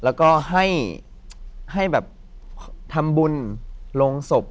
แล้วก็ให้แบบทำบุญลงศพ